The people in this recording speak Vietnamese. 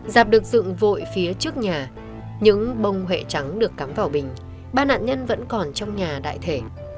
giạp được dựng vội phía trước nhà những bông huệ trắng được cắm vào bình ba nạn nhân vẫn còn trong nhà đại thể